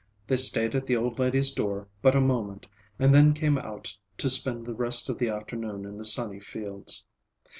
They stayed at the old lady's door but a moment, and then came out to spend the rest of the afternoon in the sunny fields.